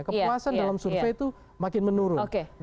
kepuasan dalam survei itu makin menurun